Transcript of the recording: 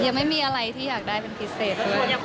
ยังไม่มีอะไรที่อยากได้เป็นพิเศษ